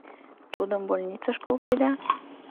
Тудым больницыш колтеда?